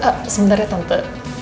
ah sebentar ya tante